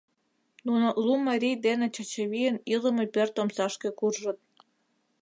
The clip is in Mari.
Нуно лу марий дене Чачавийын илыме пӧрт омсашке куржыт.